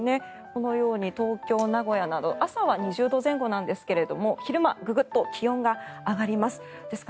このように東京、名古屋など朝は２０度前後なんですが昼間、ググッと気温が上がります。